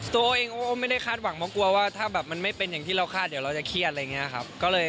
ตัวเองโอ้ไม่ได้คาดหวังเพราะกลัวว่าถ้าแบบมันไม่เป็นอย่างที่เราคาดเดี๋ยวเราจะเครียดอะไรอย่างนี้ครับ